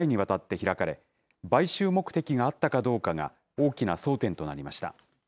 裁判は去年８月から５６回にわたって開かれ、買収目的があったかどうかが大きな争点となりました。